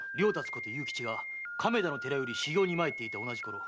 こと勇吉が亀田の寺より修行に参っていた同じころ